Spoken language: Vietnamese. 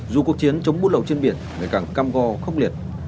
dù cuộc chiến chống bút lậu trên biển ngày càng cam go khốc liệt